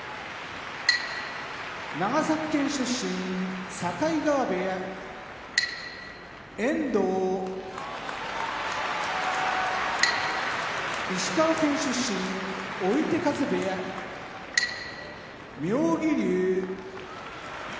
長崎県出身境川部屋遠藤石川県出身追手風部屋妙義龍